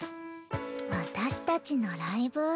私たちのライブ。